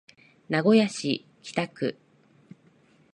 名古屋市北区